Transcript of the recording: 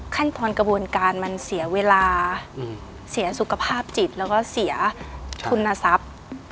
กระบวนการมันเสียเวลาเสียสุขภาพจิตแล้วก็เสียทุนทรัพย์